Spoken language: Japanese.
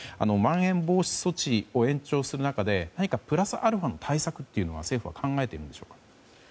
まん延防止措置を延長する中で何かプラスアルファの対策を政府は考えているんでしょうか。